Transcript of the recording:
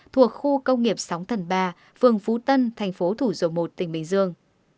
thuộc khu công nghiệp sóng thần ba phường phú tân thành phố thủ dầu một tỉnh bình dương